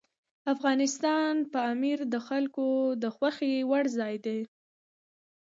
افغانستان کې پامیر د خلکو د خوښې وړ ځای دی.